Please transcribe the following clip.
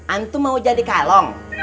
antum mau jadi kalong